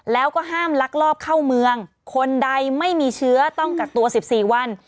แล้วก็ห้ามลักลอบเข้าเมืองคนใดไม่มีเชื้อต้องกักตัว๑๔วัน